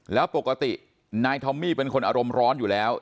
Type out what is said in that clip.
แล้วปกตินายทอมมี่เป็นคนอารมณ์ร้อนอยู่แล้ว